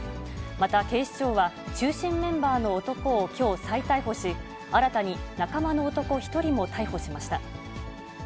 また、警視庁は、中心メンバーの男をきょう再逮捕し、新たに仲間の男１人も逮捕しました。